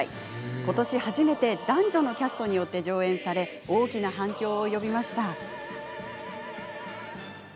ことし初めて男女のキャストによって上演され大きな反響を呼びました。